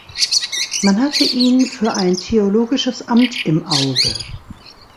Man hatte ihn für ein theologisches Amt im Auge.